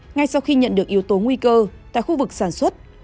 ngay sau khi nhận được yếu tố nguy cơ tại khu vực sản xuất